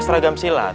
sampai jumpa lagi